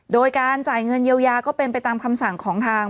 โดยการจ่ายเงินเยียวยาก็เป็นไปตามคำสั่งของทาง